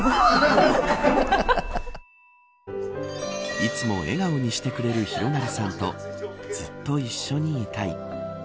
いつも笑顔にしてくれる紘成さんとずっと一緒にいたい。